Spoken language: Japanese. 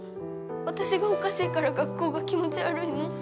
私がおかしいから学校が気持ち悪いの？